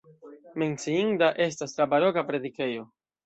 Menciinda estas la baroka predikejo.